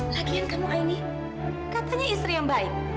latihan kamu aini katanya istri yang baik